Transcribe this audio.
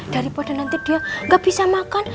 daripada nanti dia nggak bisa makan